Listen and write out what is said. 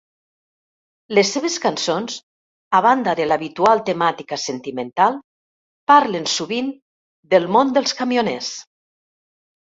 Les seves cançons, a banda de l'habitual temàtica sentimental, parlen sovint del món dels camioners.